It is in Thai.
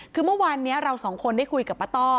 คือเมื่อวานนี้เราสองคนได้คุยกับป้าต้อ